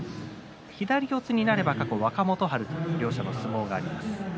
左四つになれば過去、若元春という相撲があります。